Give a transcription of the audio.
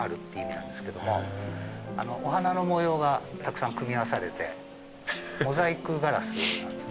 お花の模様がたくさん組み合わされてモザイクガラスなんですね。